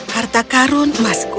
harta karun emasku